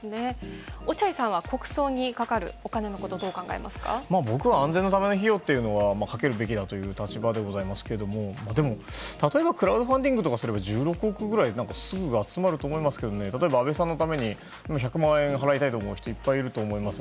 落合さんは国葬にかかるお金のことを僕は安全のためな費用はかけるべきだという立場でございますけど例えばクラウドファンディングとかすれば１６億くらいすぐ集まると思いますけど安部さんのために１００万円を払いたいと思う人いっぱいいると思います。